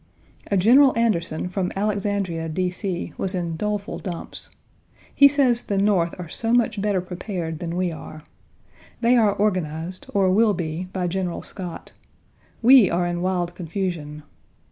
A General Anderson from Alexandria, D. C., was in doleful dumps. He says the North are so much better prepared than we are. They are organized, or will be, by General Scott. We are in wild confusion.